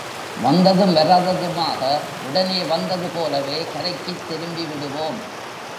வந்ததும் வராததுமாக, உடனே வந்தது போலவே கரைக்குத் திரும்பி விடுவோம்!